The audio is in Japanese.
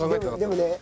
でもね